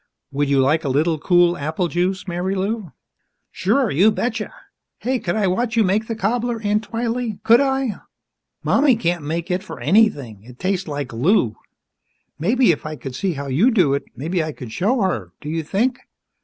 Would you like a little cool apple juice, Marilou?" "Sure you betcha! Hey, could I watch you make the cobbler, Aunt Twylee, could I? Mommy can't make it for anything it tastes like glue. Maybe, if I could see how you do it, maybe I could show her. Do you think?"